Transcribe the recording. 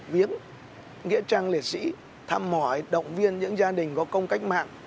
viếng nghĩa trang liệt sĩ thăm mỏi động viên những gia đình có công cách mạng